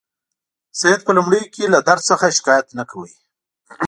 سید په لومړیو کې له درد څخه شکایت نه کاوه.